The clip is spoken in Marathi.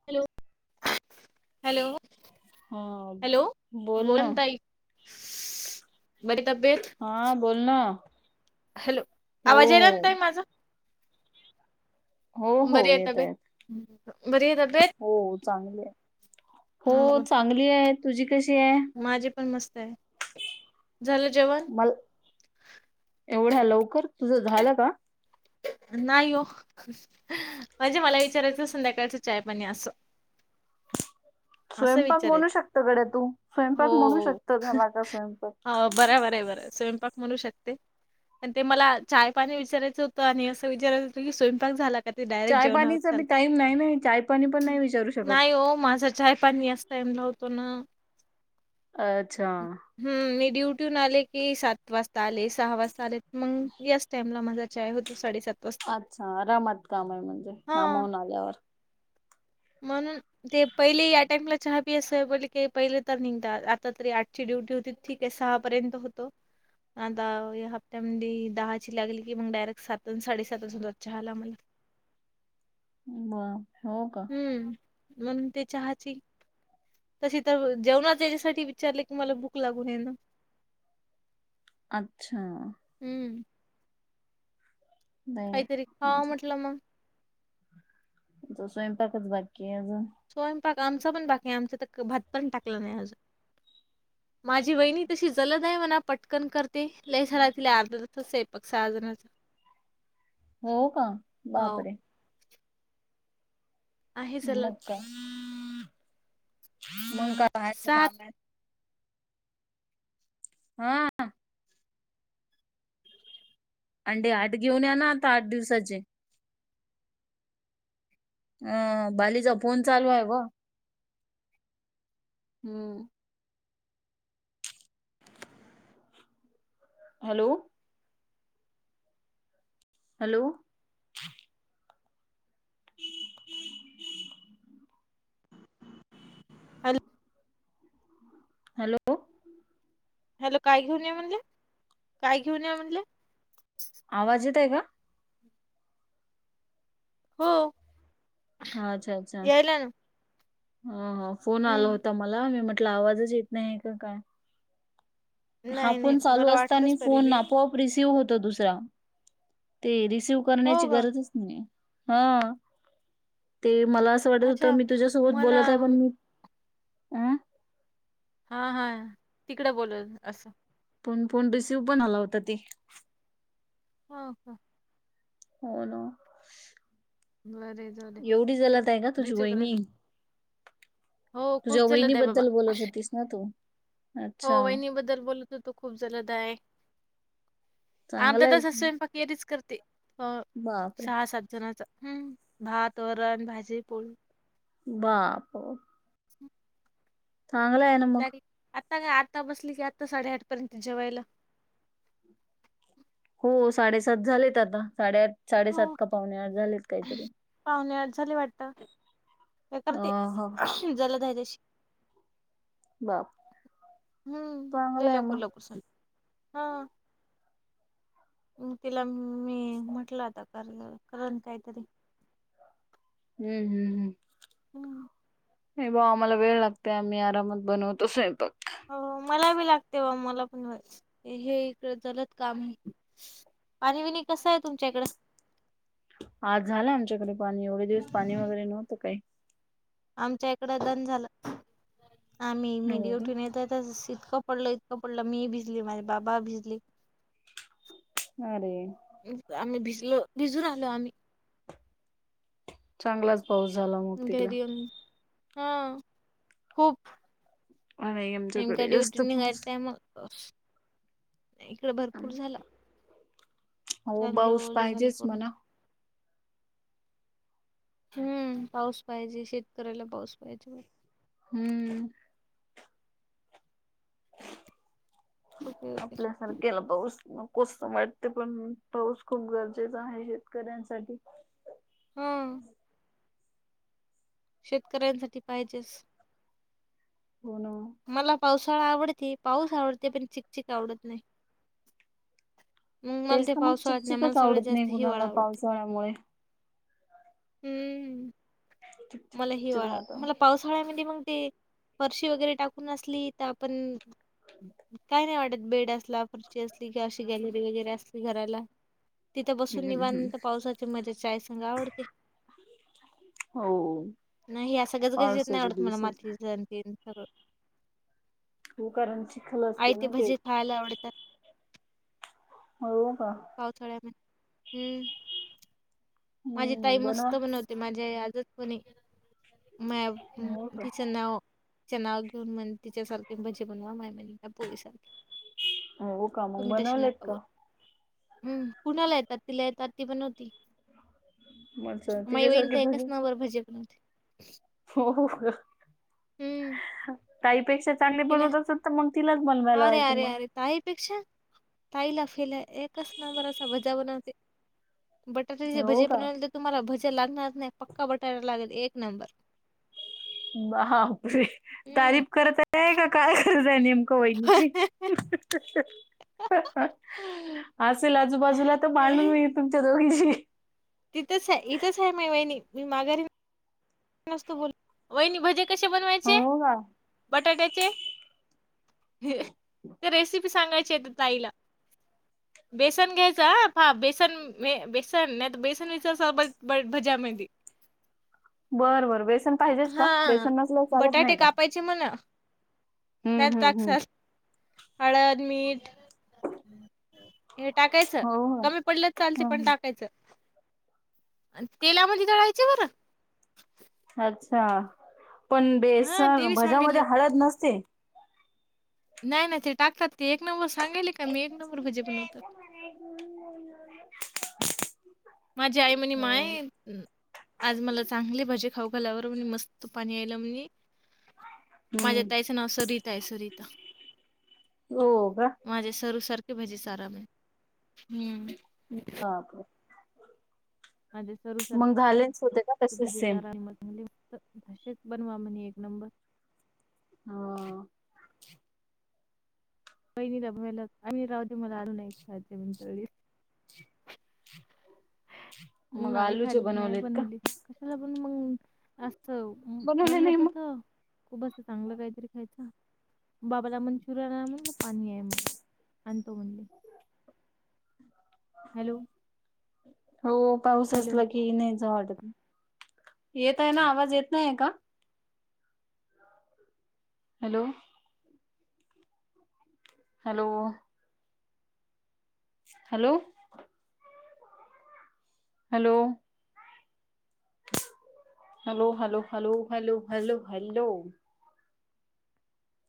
Hello hello. हा हॅलो. बोल ना बरी तब्येत. हा बोल न. हॅलो आवाज यलांत आहे माझं. हो हो बरी आहे येत तब्येत येत बरी आहे तब्येत हो चांगले आहे. हो चांगली आहे तुझी कशी आहे. माझे पण मस्त आहे झालं जेव्हा. मला एवढ्या लवकर तुझं झालं का. नाही हो म्हणजे मला विचारायचं संध्याकाळचं चाय पाणी असं अस स्वयंपाक विचार म्हणू शकत गड्या तू हो स्वयंपाक म्हणू शकत झाला का स्वयंपाक बर बर आहे बर स्वयं. पक म्हणू शकते. आणि ते मला चाय पाणी विचारायचं होतं आणि असं विचारायच होतं की स्वयंपाक झाला का? ते डायरेक्ट चाय जेवणल पाणीचा बी टाईम नाही ना चाय पाणी पण नाही विचारू शकत नाही हो माझ चाय पाणी असतयम लावतो ना अच्छा हम मी ड्युटीहून आले की सात वाजता आले सहा वाजता आले मग याच टाईमला माझा. चचाय होतो साडेसात अच्छा रमत काम आहे म्हणजे हां, नामवून आल्यावर. म्हणून, ते पहिले अटँकला चहा पी असं ब क पहिले तर निघतात आता तरी आठची ड्युटी होती. ठीक आहे सहापर्यंत होतो. आता या हप्त्यामध्ये दहाची लागली की मग डायरेक्ट सात साडे सातच होतात मग चहालामला. म हो का. हम्म म्हणून ते चहाची तसे तर जेवणाात याच्यासाठी विचारले की मला बुक लागून ये ना. [unintelligible] अच्छा. हम्म. नाही नाही काहीतरी खावा म्हटलं मग. तस पकस बकी. स्वयंपाक आमचा पण बाकी आहे आमचा तर भात पण टाकला नाही अजून. माझी वहिणी तशी जलद आहे म्हणा पटकन करते लय झाला तिला अर्ध ज आहे पक्ष सहाजण अ. हो का हो बापरे. आहे मग जलद काय मग का राहायचं काम सात आहे. हा. अंडे आठ घेऊन या ना आता आठ दिवसाचे. अ बालीचा फोन चालू आहे ग. हम्म. हॅलो. हॅलो. हम् हम्. अल. हॅलो. हॅलो काय घेऊन या म्हणलं काय घेऊन या म्हणलं. आवाज येत आहे का. हो हा अच्छा अच्छा यायला ना हा हा फोन आला हम्म होता मला मी म्हट म्हटलं आवाजच येत नाही का काय. हा नाही नाही फोन चालू मला असताना वाटलंच तरी फोन बी आपोआप रिसिव्ह होत दुसरा ते रिसिव हो करण्याची का गरज. हा ते मला. वाटत होत अच्छा मी तुझ्यासोबत मला बोलत आहे पण मी अं हा हा तिकडें बोलत अस. पण फोन रिसीव्ह पण आला होता ते. हो का. हो ना. बर. एवढी जलत आहे का तुझी वहिणी हो तुझ्या खूप वहिणी जलद आहे बाबा बद्दल बोलत होतीस. हो तू. हो अच्छा वहिणी बद्दल बोलतो तो खूप जलत आहे आमचा चांगला तसा आहे स्वयंपाक. रीच करते हो बापरे सहा सात. ह् भात वरण भाजी पोळी. बाप. चांगल आहे न. ला आता काय आता बसली की आता साडेआठ पर्यंत जेवायला. हो साडेसात झालेत आता साडेआठ साडेसात का पाहुणे आठ झालेत काहीतरी. पाहणे आठ झाले वाटत हे करते अं, हो [unintelligible] झालंत तशी. बा. हम्म लय लवकर लवकर स हा म तिला मी म्हटलं आता कर तर करण काहीतरी. हम् हम् हम्. [inaudible] नाही बा आम्हाला वेळ लागते आम्ही आरामात बनवतो सईपाक. हो मला बी लागते बा मला पण हे इकडे जलत काम आहे. पाणी बिणी कसं आहे तुमच्या इकडे. आज झालं आमच्याकडे पाणी एवढे दिवस पाणी वगैरे नव्हतं काही. आमच्या इकड दन झालं आम्ही मिबी हो का उठुन येतं होतो तस इतकं. पडलं इतकं पडलं मी भिजली माये बाबा भिजले. ह रे आमही भिजलो भिजून आलो आमही. चांगलाच. पाऊस झाला. मग तिकडं घरी हा खूप. नाही एम का आमच्याकडे ड्युटी जास्त निघायत पाऊस नाही मग. इकडे भरपूर झाला. हो चांगलं बाऊस ओलं झालं पाहिजेच पूर्ण म्हणा. हम्म पाऊस पाहिजे शेतकऱ्याला पाऊस पाहिजे. हम्म. खूप होते आपल्या स केला पाऊस नकोस वाटते पण पाऊस खूप गरजेचा आहे शेतकऱ्यांसाठी. हं शेतकऱ्यांसाठी पाहिजेचं. होणं. मला पावसाळा आवडते पाऊस आवडते पण चिकचक आवडत नाही. मला तेच ते तर मग पावसाळा आवडत नाही मला चिकचिकच सगळ्यात आवडत नाही जास्त हिवाळा कुणाला आवडते. पावसाळ्यामुळे हम्म चिकचिक मला चिकचिक हिवाळा वातावरण मला. पावसाळ्यामध्ये मग ते फरशी वगैरे टाकून असली तर आपण काही नाही वाटत बेड असला फरशी असली किंवा अशी गॅलरी वगैरे असली घराला तिथं बसून हम्म हम्म निवांत पावसाची मजा चायसंग आवडते. हो. नाही असं गजगजीत नाही पावसाच्या आवडत मला दिवसात मातीत आणि ते सगळं हो कारण चिखल असते आयते ना ते भजी खायला आवडतात हो का. पावसाळ्यात हम्म माझी ताई हम्म बनवा मस्त बनवते माझी [unintelligible] माया हो का तिचं नाव तिचं नाव घेऊन म्हणे तिच्यासारखे भजी बनवा माय म्हणे माझ्या पोरीसारखे हो का मग तुम्ही तसे बनवलेत नका बोलु का हम्म कुणाला येतात तिला येतात ती बनवते. मग माझी बहिण तिच्यासारखे तर एकच भजे नंबर भजी बनवते. हो हो हं, ताईपेक्षा चांगले तिने बनवत असल तर मग तिलाच बनव अरे अरे अरे ताईपेक्षा ताई फेल आहे एकच नंबर असा भजा बणवते. बटाट्याचे हो भजे का बनवले तर तुम्हाला भजा लागणार नाही पक्का बटाटा लागेल एक नंबर. बापरे हं. तारीफ करत आहे की काय करत आहे नेम ओ एम जी असेल आजूबाजूला ह भांडन होईल तुमच्या दोघींशी तिथंच आहे इथंच आहे माय वहिणी मी माघारी मस्त बोल वहिनी भजी कसे बनवायचे हो का बटाट्याचे? रेसिपी सांगायची आहेे त्या ताईला. बेसन घ्यायच हा पहा बेसन मग बेसन नाहीत बेसन [unintelligible] बरं बर बेसन पाहिजेच कां बेसन नसलं तर चालतं नाही का ची म्हणा हम्म नाहीतर हम्म हम्म टकसाल हळद, मीठ हे टाकायचं हो का कमी पडलं तर चालते पण हम्म. टाकायचं. आणि तेलामध्ये तळायचे बर. अच्छा पण हा बेसन ते बी भज्यामध्ये सांगायले हळद नसते. नाही नाही ते टाकतात ते एक नंबर सांगायले का मी एक नंबर भजे बनवतात माझी आई म्हने हो माय आज मला चांगली भजी खाऊ घाला बर म्हणे मस्त पाणी आयलं म्हणी माझ्या हम्म. ताईचं नाव सरिता आहे सरिता हो का माझ्या सरू सारखे भजी सारा म्हणे हम्म हा [unintelligible] माझ्या मग झालेच होते का सरूसारखे तसेच भजी सेम चारा [unintelligible] अशीच बनवा म्हणे एक नंबर हा. वहिणीला [unintelligible] मग नाही आलूचे खाल्ले नाही बनवलेत का बनवली कशाला पण मग अस बनवले मन नाही होत मग होत खूप असं चांगलं काहीतरी खायचं बाबाला मंचुरियन आना म्हटल पाणी आहे म्हणे आणतो म्हणले हॅलो. हो पाऊस हॅलो असला की येई नाहीचं वाटत येत आहे ना आवाज येत नाहीय का? Hello. Hello. Hello. Hello. Hello hello hello hello hello hello.